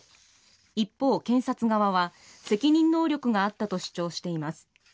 一方、検察側は責任能力があったと主張しています。